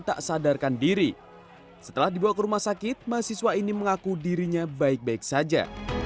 tak sadarkan diri setelah dibawa ke rumah sakit mahasiswa ini mengaku dirinya baik baik saja